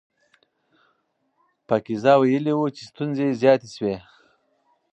پاکیزه ویلي وو چې ستونزې زیاتې شوې.